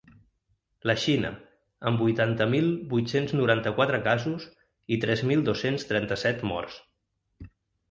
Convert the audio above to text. La Xina, amb vuitanta mil vuit-cents noranta-quatre casos i tres mil dos-cents trenta-set morts.